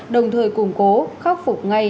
đồng thời củng cố khắc phục ngay